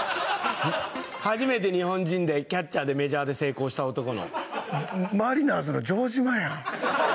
初めて日本人でキャッチャーでメジャーで成功した男のマリナーズの城島やん